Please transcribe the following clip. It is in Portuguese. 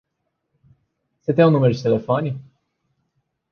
Você tem um número de telefone?